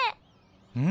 うん。